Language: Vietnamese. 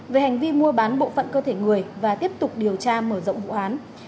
về hành vi mua bán bộ phận cơ thể người và tiếp tục điều tra mở rộng vụ án